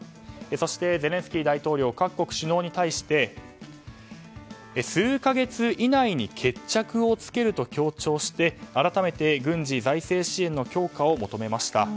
そしてゼレンスキー大統領各国首脳に対して数か月以内に決着をつけると強調して改めて、軍事・財政支援の強化を求めました。